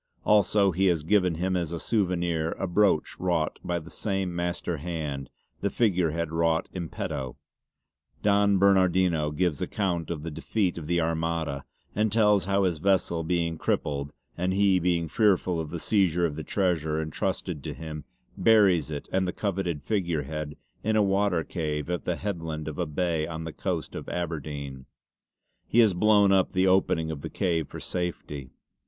Also he has given him as a souvenir a brooch wrought by the same master hand, the figurehead wrought in petto. Don Bernardino gives account of the defeat of the Armada and tells how his vessel being crippled and he being fearful of the seizure of the treasure entrusted to him buries it and the coveted figurehead in a water cave at the headland of a bay on the coast of Aberdeyne. He has blown up the opening of the cave for safety.